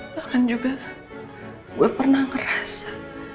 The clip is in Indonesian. bahkan juga gue pernah ngerasa